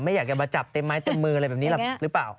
อยากจะมาจับเต็มไม้เต็มมืออะไรแบบนี้หรอกหรือเปล่า